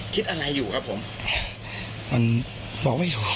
เพราะฉะนั้นเราคิดอะไรอยู่ครับผม